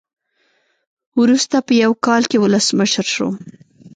وروسته په یو کال کې ولسمشر شو.